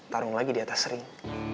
tarung lagi di atas ring